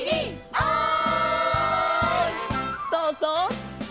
「おい！」